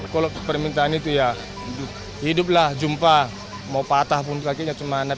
kalau permintaan itu ya hiduplah jumpa mau patah pun kakinya cuma